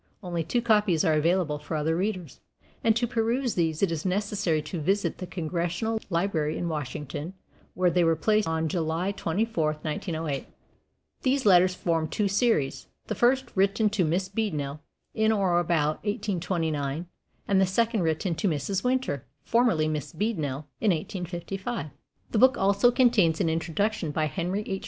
Only two copies are available for other readers, and to peruse these it is necessary to visit the Congressional Library in Washington, where they were placed on July 24, 1908. These letters form two series the first written to Miss Beadnell in or about 1829, and the second written to Mrs. Winter, formerly Miss Beadnell, in 1855. The book also contains an introduction by Henry H.